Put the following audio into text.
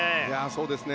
そうですね。